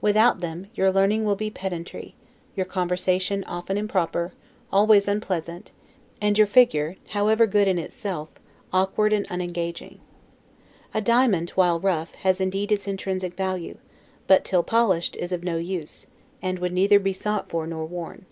Without them, your learning will be pedantry, your conversation often improper, always unpleasant, and your figure, however good in itself, awkward and unengaging. A diamond, while rough, has indeed its intrinsic value; but, till polished, is of no use, and would neither be sought for nor worn.